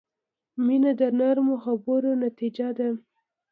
• مینه د نرمو خبرو نتیجه ده.